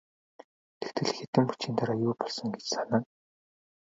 Тэгтэл хэдхэн мөчийн дараа юу болсон гэж санана.